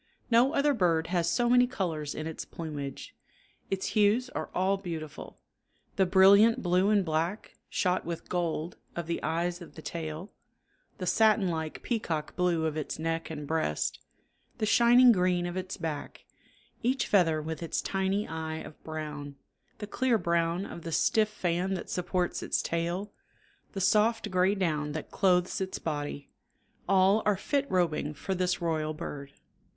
No other bird has so many colors in its plumage. Its hues are all beautiful; the brilliant blue and black, shot with gold, of the eyes of the tail, the satin like peacock blue of its neck and breast, the shining green of its back, each feather with its tiny eye of brown, the clear brown of the stiff fan that supports its tail, the soft gray down that clothes its body all are fit robing for this royal bird.